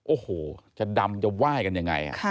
โอ้โหจะดำจะไหว้กันยังไง